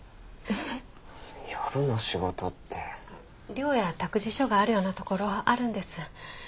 寮や託児所があるようなところあるんです。